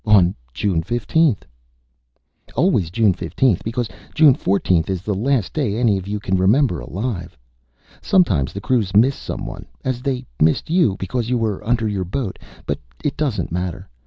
On June 15th. "Always June 15th, because June 14th is the last day any of you can remember alive. Sometimes the crews miss someone as they missed you, because you were under your boat. But it doesn't matter.